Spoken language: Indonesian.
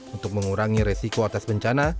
untuk mengurangi resiko atas bencana